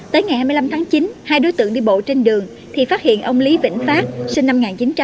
tới ngày hai mươi năm tháng chín hai đối tượng đi bộ trên đường thì phát hiện ông lý vĩnh phát sinh năm một nghìn chín trăm tám mươi